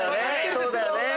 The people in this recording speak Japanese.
そうだよね。